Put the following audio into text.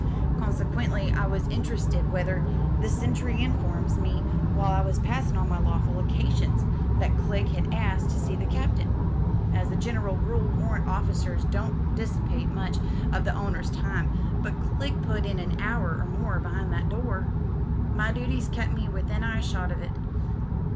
Consequently, I was interested when the sentry informs me while I was passin' on my lawful occasions that Click had asked to see the captain. As a general rule warrant officers don't dissipate much of the owner's time, but Click put in an hour and more be'ind that door. My duties kep' me within eyeshot of it.